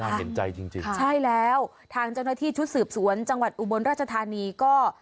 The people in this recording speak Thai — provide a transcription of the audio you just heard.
เห็นใจจริงจริงใช่แล้วทางเจ้าหน้าที่ชุดสืบสวนจังหวัดอุบลราชธานีก็